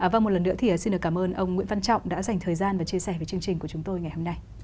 vâng một lần nữa thì xin được cảm ơn ông nguyễn văn trọng đã dành thời gian và chia sẻ với chương trình của chúng tôi ngày hôm nay